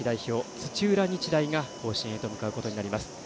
土浦日大が甲子園へと向かうことになります。